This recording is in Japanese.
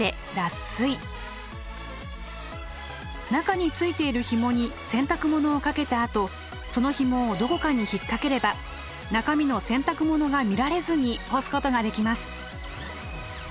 中についているひもに洗濯物をかけたあとそのひもをどこかに引っ掛ければ中身の洗濯物が見られずに干すことができます。